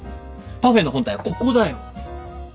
パフェの本体はここだよ！